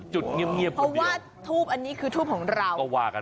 จุดเงียบเพราะว่าทูปอันนี้คือทูปของเรา